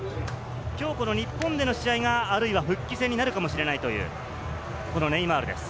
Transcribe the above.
きょう、この日本での試合が復帰戦になるかもしれないというネイマールです。